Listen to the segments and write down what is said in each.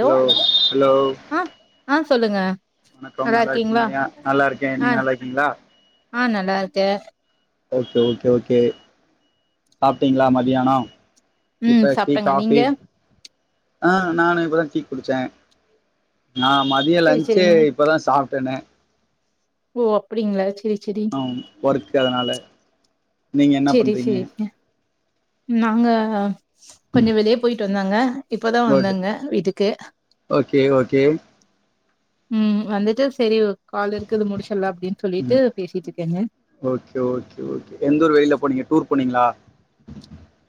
Hello hello ஆஹ் சொல்லுங்க வணக்கம் நல்லா இருக்கீங்கயா நல்லா இருக்கே நீங்க நல்லா இருக்கீங்களா ஆஹ் நல்லா இருக்கே ஓகே ஓகே ஓகே சாப்ட்டீங்களா மதியானம் உம் சாப்ட்டங்க நீங்க ஆஹ் நானு இப்பதா டீ குடிச்சே நா மதியம் செரி லன்ச்சு செரிங்க இப்போ தா சாப்ட்டனே ஓ அப்டிங்களா சேரி ஆம் ஒர்க்கு அதனால நீங்க என்ன செரி பண்றீங்க செரி நாங்க ம் கொஞ்சம் வெளியே போயிட்டு வந்தங்க இப்பதா ஓகே வந்தங்க வீட்டுக்கு ஓகே ஓகே உம் வந்துட்டு செரி கால் இருக்குது முடிச்சிடலா அப்டின்னு உம் சொல்லிட்டு பேசிட்டு இருக்கேங்க ஓகே ஓகே ஓகே எந்த ஊரு வெளில போனீங்க டூர் போனீங்களா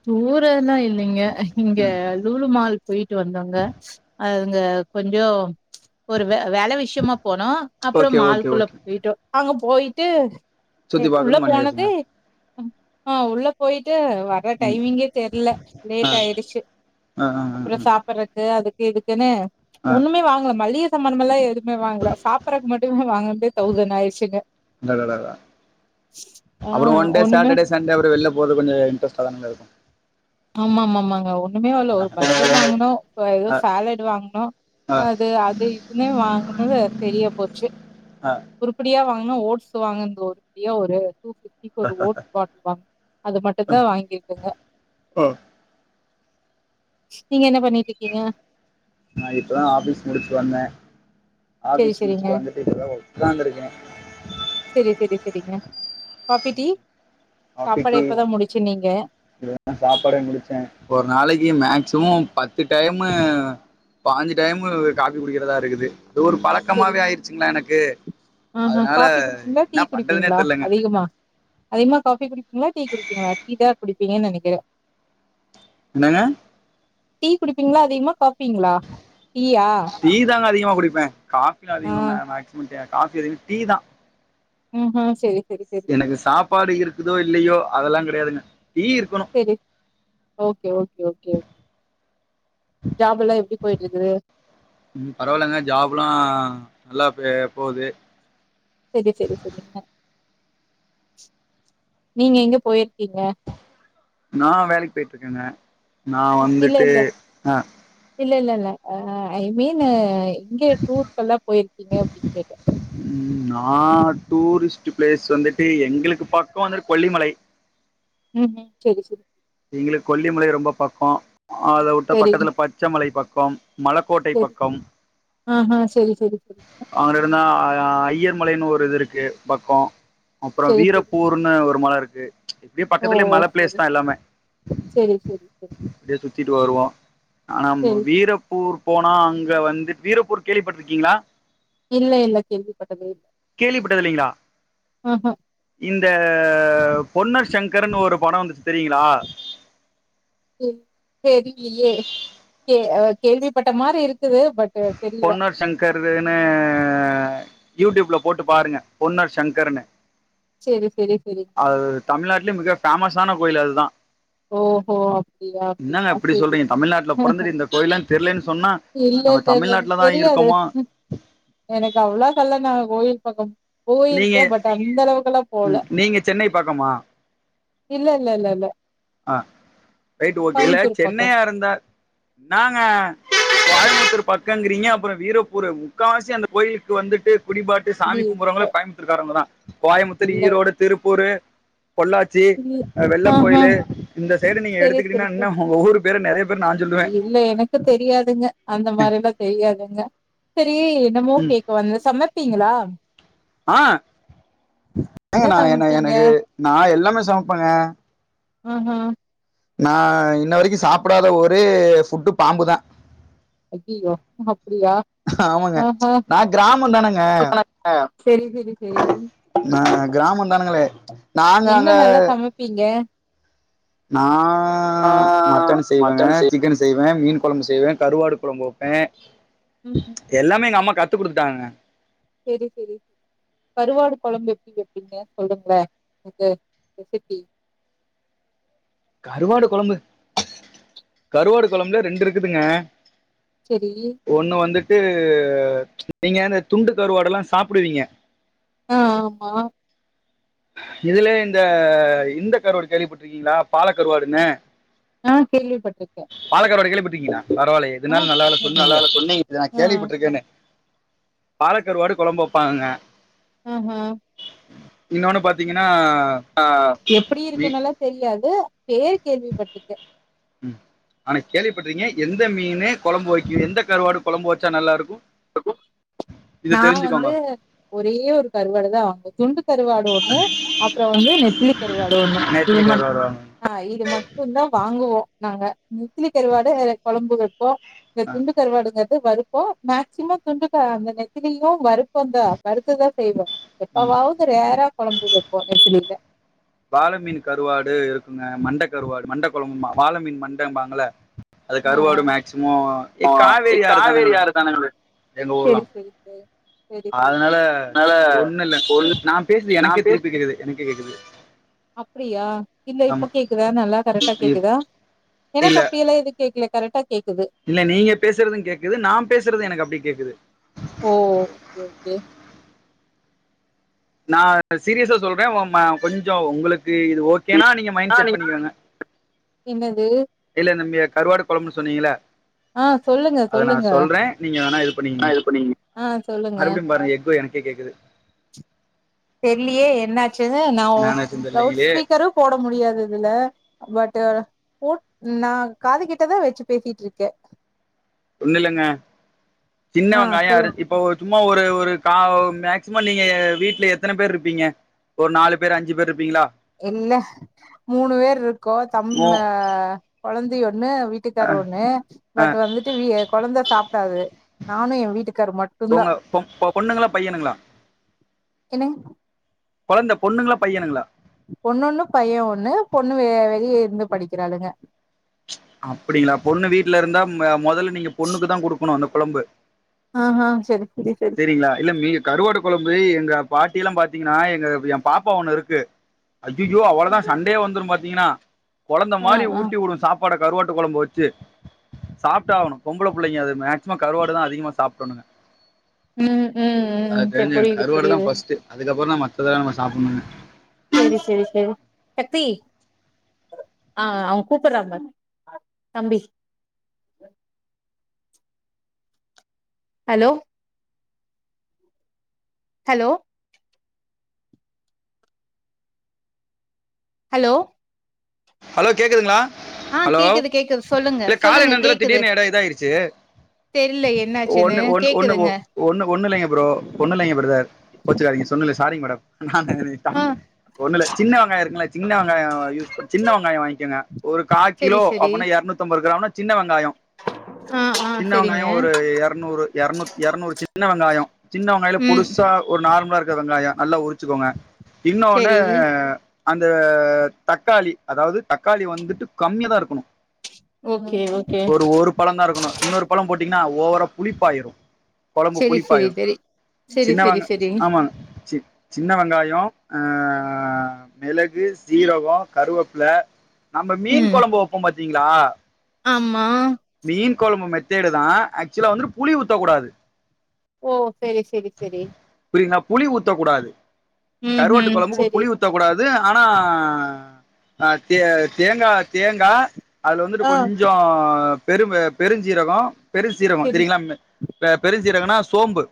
டூரெல்லா இல்லைங்க இங்க ம் லூலுமால் போயிட்டு வந்தோங்க அ அங்க கொஞ்சம் ஒரு வே வேல விஷியமா போனோ அப்புறோ ஓகே ஓகே மால்குள்ள ஓகே போயிட்டோ அங்க போயிட்டு கே சுத்தி உள்ள பாக்கணு மணி ஆயிடுச்சுங்க போனதே ஆஹ் உள்ள போயிட்டு வ ம் டைமிங்கே தெர்ல லேட் ஆ ஆய்டுச்சு ஆ ஆ அப்றோ ஆ சாப்பட்றக்கு அதுக் எதுக்குனு ஆ ஒண்ணுமே வாங்கல மல்லிய சாமன்மெல்லா எடுத் மே வாங்கல சாப்பறக்கு மட்டும வாங்கன்தே தௌசன் ஆய்டுச்சுங்க. அடடடா ஆ அப்புறோ ஒன்டே ஒண்ணுமே சேட்டர்டே சண்டே அப்பறோ வெள்ல போறது கொஞ்சோ இன்ட்ரெஸ்டாதாங்க இருக்கு ஆமா ஆமா ஆமாங்க. ஒண்ணுமே வாங்ல ஒரு பர்கர் வாங்குனோ வேற ஆ சாலட் வாங்குனோ ஆ அது அது இதுமே வாங்கினது செரியா போச்சு. ஆ உருப்பிடியா வாங் னு ஓட்ஸ் வாங்கன்து உருப்படியா ஒரே ஒரு சித்திக்கு ஒரு ஓட்ஸ் பாக்ஸ் வாங் அது மட்டுந்தா வாங்கிருக்குங்க. அ நீங்க என்ன பண்ணிட்ருக்கீங்க? நா இப்பதா ஆஃபீஸ் முடிச்சு வந்தே செரி ஆஃபீஸ் செரிங்க முடுச்சுட்டு வந்துட்டு இப்பதா ஒக்காந்திருக்கே ன காஃபி டீ காஃபி சாப்பாட டீ இப்பதா முடிச்சுன்னீங்க இப்பதா சாப்பாடே முடிச்ச ஒரு நாளைக்கு மேக்சிமம் பத்து டைமு பாஞ்சு டைமு காஃபி குடிக்கிறதா இருக்குது‌ தோ ஒரு சரி பழக்கமாவே ஆயிருச்சுங்ளா எனக்கு ஆஹா அதனால காஃபி குடிப்பீங்களா டீ இன்னா பண்றதனே குடிப்பீங்களா தெர்லங்க பீங்களா டீ குடிப்பீங்களா டீ தா குடிப்பீங்கனு நெனைக்கிற என்னங்க டீ குடிப்பீங்ளா அதிகமா கா பீங்ளா டீயா குடிப்பே காஃபிலா ஆ அதிகமா மே மேக்சிமம் ட காஃபி அதனவிட டீ தா உம் ஆ செரி எனக்கு சாப்பாடு இருக் குதோ இல்லயோ அதெல்லா கெடையாதுங்க டீ இருக்கணு செரி ஓகே ஓகே ஓகே ஜாப் எல்லா எப்டி போயிட்டு இருக்குது உம் பரவாலங்க ஜாப்லா நல்லா பே போது செரி செரி செரிங்க நீங்க எங்க போய்ருக்கீங்க நா வேலைக் போயிட்டுருக்கேங்க நா வந்துட்டு ஆ இல்லல்லல்ல ஆ ஐ மீன்னு எங்கே டூர்க்கலா போயிருக்கீங்க அப்டின்னு கேட்டே உம் நா டூரிஸ்ட் பிளேஸ் வந்துட் எங்களுக்கு பக்கோ வந்துட் கொல்லிமலை உ உம் செரி செரி எங்களுக்கு கொல்லிமலை ரொம்ப பக்கோ ஆ அத உட்ட சரி பக்கத்தில பச்சை மலை பக் கம் மலக்கோட்டை பக்கம் ஆ ஆ செரி அங்கிட்ருந்தா ஆ ஆ அய்யர் மலைனு ஒரு இது இருக்கு பக்கோ அப்றொ சரி சரி வீரப்பூர்னு ஒரு மல இரு இர்க்கு ச்ச இப்டே ஓ பக்கத்திலேயே மல பிளேஸ் சரி தா எல்லாமே சரி சரி சரி சுத்திட் வருவோ ஆனா மு சரி வீரப்பூர் போனா அங்க வந்து வீரப்பூர் கேள்விப்பட்ருக்கீங்ளா இல்ல இல்ல கேள்விப்பட்டதே இல்ல. கேள்விப்பட்டது இல்லிங்ளா ஆஹா. இந்த பொன்னர் சங்கரன்னு ஒரு படோ வந்துச்சு தெரியுங்ளா தெ தெரிலியே கே ஆ கேள்விப்பட்ட மாரி இருக்குது பட் தெரியல. பொன்னர் சங்கர்துனு யூடியூப்ல போட்டு பாருங்க பொன்னர் சங்கரன்னு சரி, சரி, சரி. அது தமிழ்நாட்லயே மிக பேமஸான கோயில் அது தா ஓ ஓ அப்டியா அப்டியா இப்டி செரி சொல்றீங்க தமிழ்நாட்ல அ ஆ பொறந்துட்டு இந்த கோயில்லாம் தெர்லன்னு சொன்னா இல்ல நம்ம ல இல்ல எனக்கு தமிழ்நாட்ல தான் தெரியாது இருக்கோமா உம் எனக்கு அவ்ளா [unintelligible] கோயில் பக்கம் நீங்க போயிருக்கே பட் அந்த அளவுகெல்லா போல ம், நீங்க சென்னை பக்கமா இல்ல இல்ல இல்ல இல்ல. ஆ ரைட்டு ஓகே இல்ல கோயம்புத்தூர் பக்கம். சென்னையா இருந்தா நாங்க கோயமுத்தூர் பக்கங்கிறீங்க அப்புறோ வீரப்பூர முக்காவாசி அந்த கோயிலுக்கு வந்துட்டு குடிபாட்டு இது சாமி இல்ல கும்புடுறவங்கள இந்தூர்காரவங்கதா கோயமுத்தூர் இல்ல ஈரோடு திருப்பூரு இல்ல ஆ ஆ இந்த சைடு நீங்க செரி செரி எடுத்துக்கிட்டீங்கன்னா உ இன்னும் உங்க ஊர் பேரை நிறைய பேர் நான் சொல்லுவேன் இல் இல்ல எனக்கு தெரியாதுங்க அந்த மாரிலா தெரியாதுங்க செரீ என்னமோ ம். கேக்க வந்தே மைப்பீங்ளா ஆ ஏங்க நா என்ன எனக்கு நா எல்லாமே சமப்பேங்க அ ஆ நா இன்ன வரைக்கு சாப்டாத ஒரே ஃபுட்டு பாம்புதா அய்யய்யோ அப்டியா ஆமாங்க அ ஆ நான் கிராமம் தானேங்க [unintelligible] செரி செரி செரி கிராமொ தானுங்களே என்ன நல்லா சமப்பீங்க நா மட்டன்னு செய்வேங்க மட்டன் செ சிக்கன்னு செய்வே மீன் கொழம்பு செய்வே கருவாடு கொழம்பு வெப்பே ம் ச்ச எல்லாமே எங்க அம்மா கத் கத்து கொடுத்துட்டாங்கங்க சேரி சேரி கருவாடு கொழம்பு எப்டி வப்பீங்க சொல்லுங்ள எனக்கு ரெசிப்பி கருவாடு கொழம்பு கருவாடு கொழம்புல ரெண்டு இருக்குதுங்க செரி ஒண்ணு வந்து து நீங்க அந்த துண்டு கருவாட எல்லா சாப்டுவீங்க ஆ ஆமா இதுல இந்த இந்த கருவாடு கேள்விப்பட்டிருக்கீங்களா பாலக்கருவாடுன்னு ஆ கேள்விப் பட்டிருக்கே பட்டுறிக்கிங்களா பரவால்ல எதுனால நல்ல வேளை சொன்னீங்களே சொன்னீங் இத நான ஆ கேள்விப் பட்டுருக்கேனு பாலக்கருவாடு கொழம்பு வெப்பாங்கங்க ம் ம் இன்னொன்னு பாத்தீங்கன்னா ஆ எப்படி மீ இருக்குன்னு எல்லா தெரியாது பேர் கேள்விப்பட்டிருக்க ம் ஆனா கேள்விப்பட்றீங்க எந்த மீன் கொழம்பு வைக்கு எந்த கருவாடு கொழம்பு வச்சா நல்லா இருக்கு அப்போ நா வந்து ஒரே ஒரு கருவாடு தா வாங்குவே துண்டு கருவாடு ஒண்ணு அப்புற வந்து நெத்திலி கருவாடு ஒண்ணு இது நேத்திலி மட்டு கருவாடு வாங்க ஆ இது மட்டு தா வாங்குவோ நாங்க நெத்திலி கருவாடு கொழம்பு வப் இப்போ இந்த ஆ துண்டு கருவாடுங்க வருப்போ மேக்சிமம் துண்டு க அந்தந்த நெத்திலியு வருப்ப தா வருத்து தா செய்வோ ம் எப்பவாவுது ரேரா கொழம்பு வப்போ நெத்திலில வாாலமீன் கருவாடு இருக்குங்க மண்ட கருவாடு மண்ட கொழம்பு ம்பா வாலமீன் மண்டம்பாங்க இல்ல ரஅதுக்கு ஆ. கருவாடு மேக்சிமம் ஆ காவேரி யாரு தானங்க வேறு ஆறு தானங்க எங்க ஊர்லா செரி செரி செரி. செரி செரி. அதனால அதனால ஒண்ணு இல்ல ஒண்ணு நா பேசறது எனக்கே திருப்பி கேக்குது எனக் கேக்குது அப்படியா இல்ல ஆமா இப்ப கேக்குதா நல்லா கரெக்டா கேக்குதா எனக்கு இல்ல அப்படியெல்லா ஏது கேக்கல கரக்டா இல்ல நீங்க பேசுறது கேக்குது நா பேசுறது எனக்கு அப்படியே கேக்குது ஓ ஓகே ஓகே. நான் சீரியஸா சொல்றே ம கொஞ்சோ உங்களுக்கு இது ஓக் கே நா நீங்க மைண்ட் ஆ செட் நீங்க பண்ணிக்கோங்க என்னது? இல்ல நம்பியா கருவாடு கொழம்புன்னு சொன்னீங்க இல்ல ஆ சொல்லுங்க அத நா சொல்லுங்க. சொல்றே நீங்க வேனா இது ஆ பண்ணிகீங்க இது பண்ணீங்க ஆ சொல்லுங்க. மறுபடியு பாருங்க எக்கோ எனக்கே கேக்குது தெரிலியே என்னாச் சு நா வு என்னாச்சுன்னு லவுட் தெரியலைங்களே ஸ்பீக்கரு போட முடியாதது இதுல பட்டு ஃபோன் நா காது கிட்டதா வெச்சு பேசிட்டுருக்கே ஒன்னிலங்க ஆ சின்னவெங்காய சொல்லு அறி இப்ப ஒ சும்மா ஒரு ஒரு காவும் மேக்ஸ்சிம நீங்கய வீட்ல எத்தன பேர் இர்ப்பீங்க ஒரு நாலு பேர் அஞ்சு பேர் இர்ப்பீங்ளா இல்ல மூணுவேர் இருக்கோ தம் மோ ஆ கொழந்தையோட் ன்னு வீட்டுக்கார் ஒன்னு அ பட் வந்துட்டு வீ ய கொழந்த சா தாவு நானு எ வீட்டுக்கார் மட்டுந்தா உங்க பொ பொண்ணுங்களா பையனுங்களா என்னங்க கொழந்த பொண்ணுங்களா பையனுங்களா பொண்ணுன்னு பைய ஒன்னு பொண்ணு வே வெளிய ந்து படிக்கிறாளுங்க ச்ச அப்பிடிங்ளா பொண்ணு வீட்ல இருந்தா உம் ஆ மொதலு நீங்க பொண்ணுக்குதா குடுக்கணு அந்த கொழம்பு அ ஆ செரி செரி செரி செரிங்ளா இல்ல மீ கருவாட்டு கொழம்பு எங்க பாட்டியிலா பாத்தீங்கனா எங்க எ பாப்பா ஒன்னு இருக்கு அய்யய்யோ அவுளதா சண்டே வந்துரு பா தீங்னா கொழந்த ஆ மாரி ஆ ஊட்டி உடுவே சாப் வாட கருவாட்டு கொழம்பு வெச்சு சாப்டாவனு பொம்பள புள்ளைங்க அது மேக்ஸ்சிம கருவாடுதா அதிகமா சாப்படுணுங்க ம் ம் அத ம் செரி தெரிஞ்சுகங்க புரியுது கருவாடுதா புரியுது ஃபர்ஸ்ட்டு அதுக்கப்பறோதா மத் பதா நம்ம சாப்புணுங்க செரி செரி செரி வ சக்தி ஆ அவுங்க கூப்புறாங்க தம்பி ஹலோ ஹலோ ஹலோ ஹலோ கேக்குதுங்ளா ஆ ஹலோ கேக்குது கேக்குது சொல்லுங்க இல்ல கால் சொல்லுங்க என்னான்த்தெர்ல கேக்குது திடீர்னு எடோ இதாயிருச்சு தெரில என்னாச்சுன்னு ஒன்னு ஒன்னு ஒன்னு ஓ கேக்குதுங்க ஒன்னு ஒன்னில்லைங்க ப்ரோ ஒன்னில்லைங்க பிரதேர் கோச்சுக்காதிங்க சொன்னல சாரிங்க மேடம் நானு ஆ [unintelligible] ஒன்னுல சின்ன வெங்காயோ இருக்குல சின்ன வெங்காயோ சின்ன வெங்காயோ வாயிங்கெங்க ஒரு கா கிலோ செரி செரி அப்பனா எர்நூத்தம்பது கிராம்னா சின்னவெங் ங்காயோ ஆ ஆ சின்ன வெங்காயோ செரிங்க ஒரு எரநூறு எரநூ எரநூறு சின் சின்ன வெங்காயோ சின்ன வெங்காயல ம் பொடிசா ஒரு நார்மலா இருக்க வெங்காயோ நல்லா உரு ச்சுக்கோங்க இன்னோனு செரி அந்த தக்காளி அதாது தக்காளி வந்துட்டு கம்மியதாருக்கணு ஓகே ஓகே ஒரு ஒரு பழந்தா இருக்கணு இன்னொரு பழொ போட் ன்னா ஓவரா புளிப்பாய்ரு கொழம்பு செரி செரி புளிப்பாய்ரு செரி செரி சின்ன செரி வெங் செரி ஆமா சி சின்ன வெங்காயோ ஆ மெளகு சீரகோ கருவேப் ல நம்ம மீன் ம் கொழம்பு வப்போம்பாத்திங் திங்களா ஆமா மீன் கொழம்பு மத் தேடுதா ஆச்சுவலா வந்துட்டு புளி ஊத்தக்கூடாது ஓ செரி செரி செரி புரியுங்களா புளி ஊத்தக்கூடாது ம் கருவாட்டு ம் கொழம்புக்கு செரி புளி ஊத்தக் கூடாது து அனா அஹ் தே தேங்கா தேங்கா அது வந்துட்டு ஆ கொஞ்சோ பெரும் பெருஞ்சீரகோ பெரு சீரக செரி தெரியுங்களா பெருஞ்சீரகம்ன்னா சோம்பு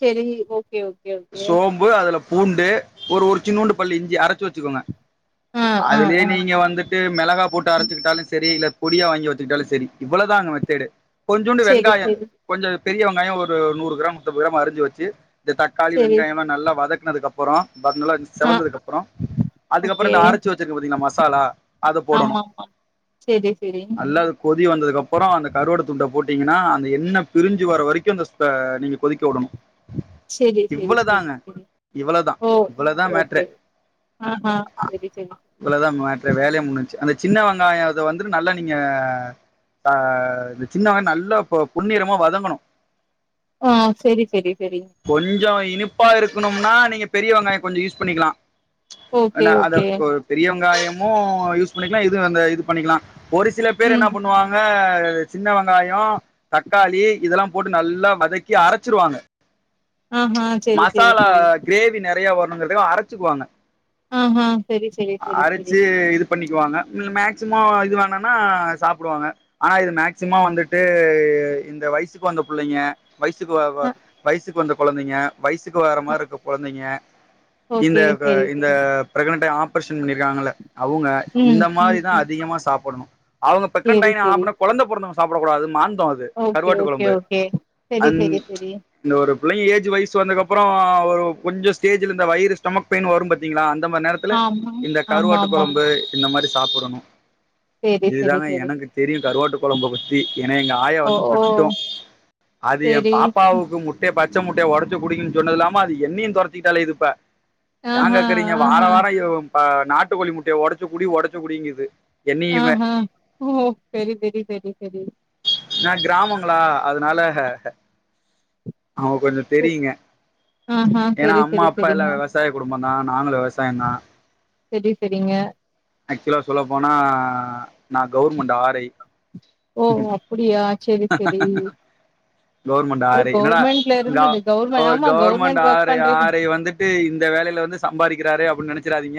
சரி ஓகே ஓகே ஓகே சோம்பு அதுல பூண்டு ஒரு ஒரு சின்னூண்டு பள்ளி இஞ்சி அரைச்சு வச்சுக்கோங்க ஆ ஆ அதுலயே ஆ நீங்க வந்துட்டு மெளகா போட்டு அரைச்சுக்கிட்டாலு சரி இல்ல பொடியா வாங்கி வத்துக்கிட்டாலு சரி இவ்ளதா அங்க மெத்தேடு கொஞ்சூண்டு செரி வெங்காய செரி கொஞ்ச பெரிய வெங்காய ஒரு நூறு கிராம் முப்பது கிரா அரிஞ்சு வச்சு இந்த தக்காளி செரி வெங்காயமெல்லா நல்லா வதக் னதுக்க அப்பறோ பா ஆ செவந்ததுக்குப்புறோ அதுக்கப்புறோ ஓகே இந்த அரைச் ரச்சு வச்சிருக்க பாத்தீங்கா மசாலா அத போடணு ஆமா ஆமா செரி செரி நல்லா அது கொ கொதி வந்ததுக்கு அப்புறம் அந்த கருவாடு துண்டை போட்டீங்கன்னா அந்த எண்ண பிரிஞ்சு வர வரைக்கு அந்தஸ் பா நீங்க கொதிக்க விடணும் சரி சரி சரி சரி இவ்வளதா இவ்வளதா ஓகே மேட்ரே ஓகே ஆஹ்ஹ சரி ச இவ்வளதா மேட்றே வேலையே முடிஞ்சுருச்சு அந்த சின்ன வெங்காய அத வந்து நல்லா நீங்க ஹ சின்னவெங்காய நல்லா பொன்னிறமா வதங்கனு ஆ செரி செரி செரி கொஞ்சம் இனிப்பா இருக்கணு வேணா நீங்க பெரியவெங்காய கொஞ்சம் யூஸ் பண்ணிக்கலா ஓகே ஓகே சின்ன வெங்காயமு யூஸ் பண்ணிக்கலா இது அந்த இது பண்ணிக்கலா ஒரு சில பேர் என்னா ம் பண்ணுவாங்க சின்ன வெங்காய தக்காளி இதெல்லா போட்டு நல்லா வதக்கி அரைச்சிருவாங்க ஆஹா செரி செரி மசாலா செரி கிரேவி நெறைய வரு [unintelligible] அரைச்சிக்குவாங்க ஆஹாங் சரி சரி சரி சரி இது பண்ணிக்குவாங்க மேக்சிமம் இது வேணனா சாப்டுவாங்க ஆனா இது மேக்சிமம் வந்துட்டு இந்த வயசுக்கு வந்த புள்ளைங்க வயசுக்கு வ வ அ வயசுக்கு குழந்தைங்க வயசுக்கு வர அ மாரிருக்குற குழந்தைங்க இந்த ஓகே க செரி இந்த செரி பிரகண்ட ஆப் பர்சன் பண்ணிருக்காங்கல்ல அவங்க ம் இந்த ம் மாரிதா ம் அதிகமா சாப்பணு அவங்க செரி பிரகனண்டாய் செரி நாளபின்ன கொழந்தை பொறந்துரு சாப்படக்கூடாது மான் ந்தோ அது ஓகே கருவாட்டு ஓகே கொழம்பு ஓகே செரி அந் செரி செரி இந்த ஒருப் புள்ளைங்க ஏஜ் வைஸ் வந்தக்கப்புற ஒரு கொஞ்சோ ஸ்டேஜல் இந்த வயிற ஸ்டமக் பெயின் வரும் பாத்தீங்களா அ அந்த மாரி நேரத்தில ஆமா இந்த ஆமா கருவாட்டு ஆமா ஆமா கொழம்பு இந்த மாரி சாப்புடணு செரி செரி இதுதாங்க செரி எனக்கு தெரியு கருவாட்டு கொழம்ப பத்தி என்னா எங்க ஆயா ஓ வந்து ஓ திட்டும் அது ஏ செரி பாப்பாவுக்கு முத் பச்ச முட்டைய ஒடச்சு குடிங்கன்னு சொன்னது இல்லாம அது என்னையு தொரத்திட்டு அலயிது இப்ப ஏங் ஆஹா கேகுறீங்க வார ஆஹா வார இருவு ப்ப நாட்டுக்கோழி முட்டய ஒடச்சு குடி ஒடச்சு குடிங்குது என்னையுமே ஆஹ்ஹ ஓ சரி சரி சரி சரி நா கிராமங்களா அதனால அவங்க கொஞ்சோ தெரியுங்க ஆஹா ஏன்னா செரி அம்மா செரி அப்பா எல்லா செரிங்க விவசாய குடும்பந்தா நாங்களு விவசாயந்தா சரி சரிங்க ஆக்சுவலா சொல்ல போனா நா கவுர்மண்ட் ஆர் ஐ ஓ ஒ அப்புடியா கவுவர்மெண்ட் ஆர் அப்புறம் ஜ என்னடா கவர்மெண்ட்ல கவு இருந்தது கவர்மெண்ட் ஒர் ஆமா government government work R I பண்றீங்க. ஆர் ஐ வந்துட்டு இந்த வேலையில வந்து சம்பாதிக்கிறாரறே அப்டின்னு நெனைச்சு க்ராரே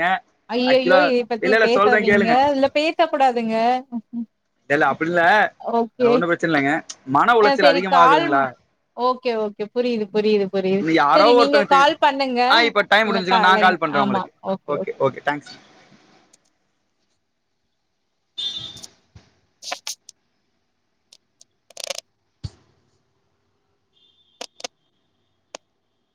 ஐயையோ இத பத்தி சொல்றேன் பேசாதீங்க கேளுங்க இதுல பேச கூடாதுங்க இல்ல இல்ல அப்படி இல்ல ஓகே ஒன்றும் பிரச்சனை இல்லைங்க மன அ உளைச்சல் செரி கால் அதிகமாகுதுங்களா ஓகே ஓகே புரியுது புரியுது புரியுது இன்னும் யாரோ சரி நீங்க ஒருத்தங்க தெ- கால் பண்ணுங்க ஆ இப்போ டைம் முடிஞ்சுக்கா ல்லகா நா லைன் கால் பண்றே ஆமா உங்களுக்கு ஒக்கே ஓ ஓகே ஓகே தேங்க்ஸ்